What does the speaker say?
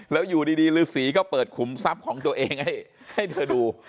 แล้วอยู่ดีฤษีก็เปิดขุมทรัพย์ของตัวเองให้เธอดู